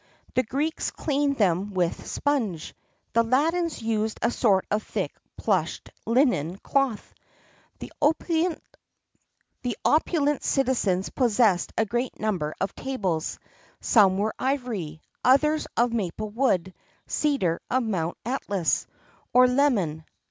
[XXXII 24] The Greeks cleaned them with sponge;[XXXII 25] the Latins used a sort of thick, plushed, linen cloth.[XXXII 26] The opulent citizens possessed a great number of tables; some were of ivory,[XXXII 27] others of maple wood, cedar of Mount Atlas,[XXXII 28] or lemon.